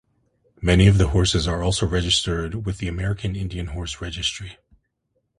Many of the horses are also registered with the American Indian Horse Registry.